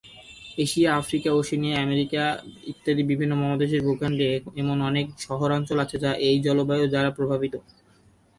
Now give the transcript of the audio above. Asia, Africa, Oceania, America ইত্যাদি বিভিন্ন মহাদেশের ভূখণ্ডে এমন অনেক শহরাঞ্চল আছে যা এই জলবায়ুর দ্বারা প্রভাবিত।